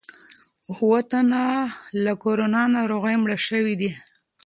اووه تنه له کورونا ناروغۍ مړه شوي دي.